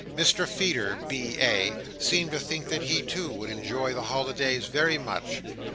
Mr Feeder, B.A., seemed to think that he, too, would enjoy the holidays very much.